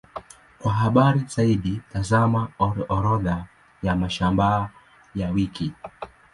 Kwa habari zaidi, tazama Orodha ya mashamba ya wiki.